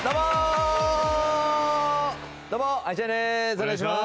お願いしまーす！